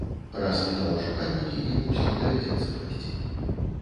Праз металашукальнікі ім усё ж давядзецца прайсці.